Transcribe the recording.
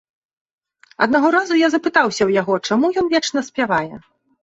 Аднаго разу я запытаўся ў яго, чаму ён вечна спявае.